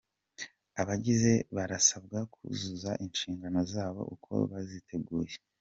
Abagize barasabwa kuzuza inshingano zabo uko baziteguye